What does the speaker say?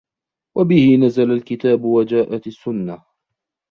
وَبِهِ نَزَلَ الْكِتَابُ وَجَاءَتْ السُّنَّةُ